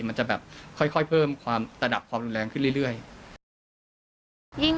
มันจะแบบค่อยเพิ่มความระดับความรุนแรงขึ้นเรื่อย